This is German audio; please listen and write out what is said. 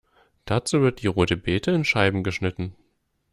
Dazu wird die Rote Bete in Scheiben geschnitten.